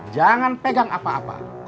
jangan pegang apa apa